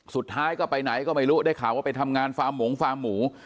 สุดท้ายก็ไปไหนก็ไม่รู้ได้ข่าวว่าไปทำงานฟาร์มหมงฟาร์มหมู